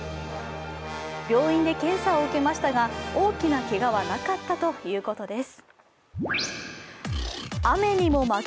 病院で検査を受けましたが、大きなけがはなかったということです。